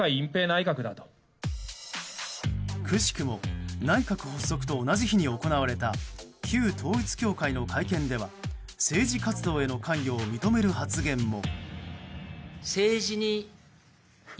くしくも内閣発足と同じ日に行われた旧統一教会の会見では政治活動への関与を認める発言も。